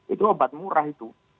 itu obat murah itu